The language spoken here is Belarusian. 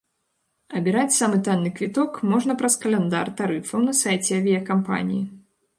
Абіраць самы танны квіток можна праз каляндар тарыфаў на сайце авіякампаніі.